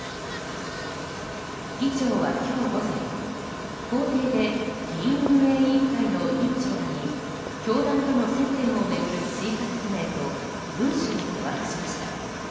議長は今日午前、公邸で議院運営委員会の委員長らに教団との接点を巡る追加説明と文書を手渡しました。